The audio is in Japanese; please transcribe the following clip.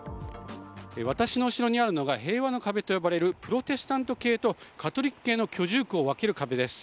私の後ろにあるのが平和の壁と呼ばれるプロテスタント系とカトリック系の居住区を分ける壁です。